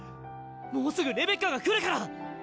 もうすぐレベッカが来るから！